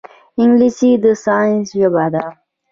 انګلیسي د ساینس ژبه ده